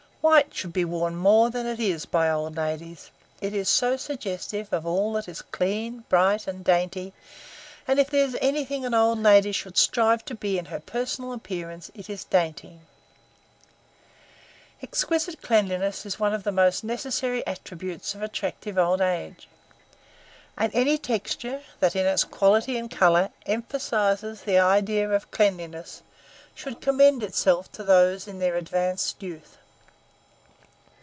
White should be worn more than it is by old ladies. It is so suggestive of all that is clean, bright, and dainty; and if there is anything an old lady should strive to be in her personal appearance it is dainty. Exquisite cleanliness is one of the most necessary attributes of attractive old age, and any texture that in its quality and color emphasizes the idea of cleanliness should commend itself to those in their "advanced youth."